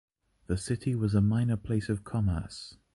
The city was a minor place of commerce.